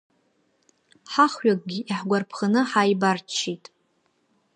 Ҳахҩыкгьы иаҳгәарԥханы ҳааибарччеит.